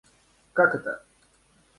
Как это?